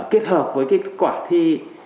kết hợp với kết quả thi